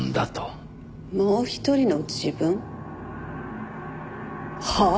もう一人の自分？はあ？